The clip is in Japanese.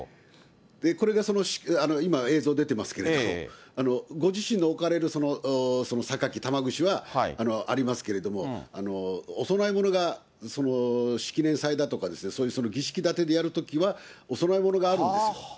これが今、映像出てますけれども、ご自身の置かれるさかき、玉串はありますけれども、お供え物がしきねん祭だとか、そういう儀式だてでやるときはお供え物があるんですよ。